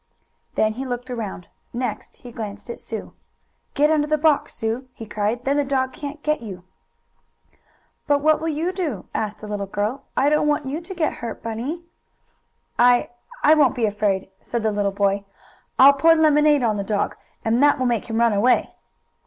Then he looked around. Next he glanced at Sue. "Get under the box, Sue!" he cried. "Then the dog can't get you!" "But what will you do?" asked the little girl. "I don't want you to get hurt, Bunny." "I I won't be afraid," said the little boy. "I I'll pour lemonade on the dog, and that will make him run away."